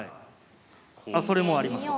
あそれもありますか。